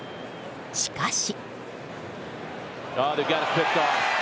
しかし。